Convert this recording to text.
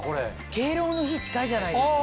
敬老の日近いじゃないですか。